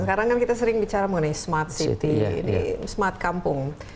sekarang kan kita sering bicara mengenai smart city ini smart kampung